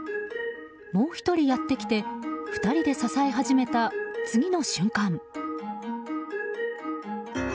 もう１人やってきて２人で支え始めた、次の瞬間。